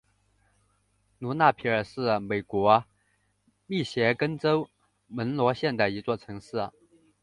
卢纳皮尔是美国密歇根州门罗县的一座城市。